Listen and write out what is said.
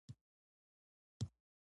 نیکه د کلتور ژوندي ساتونکی وي.